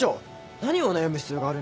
何を悩む必要があるんですか？